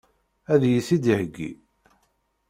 Ad iyi-t-id-iheggi?